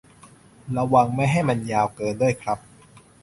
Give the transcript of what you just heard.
ระวังไม่ให้มันยาวเกินด้วยครับ